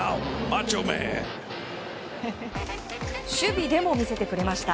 守備でも見せてくれました。